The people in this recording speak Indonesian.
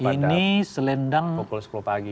ini selendang ntt ya setahu saya